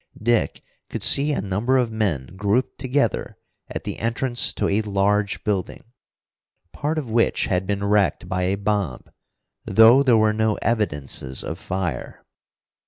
Dick could see a number of men grouped together at the entrance to a large building, part of which had been wrecked by a bomb, though there were no evidences of fire.